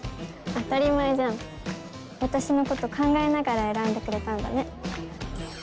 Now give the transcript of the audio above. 当たり前じゃん私のこと考えながら選んでくれたんだね